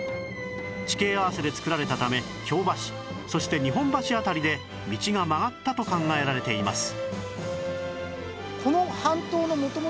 地形合わせでつくられたため京橋そして日本橋辺りで道が曲がったと考えられています